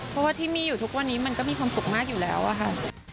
เพราะว่าที่มีอยู่ทุกวันนี้มันก็มีความสุขมากอยู่แล้วอะค่ะ